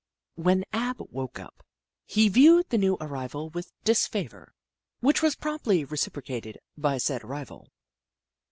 When Ab woke up, he viewed the new arrival with disfavour, which was promptly reciprocated by said arrival.